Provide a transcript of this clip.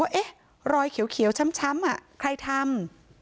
ว่าเอ๊ะรอยเขียวเขียวช้ำช้ำอ่ะใครทำ